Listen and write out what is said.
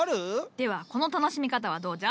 ではこの楽しみ方はどうじゃ？